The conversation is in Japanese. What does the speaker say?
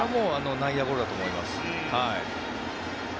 内野ゴロだと思います。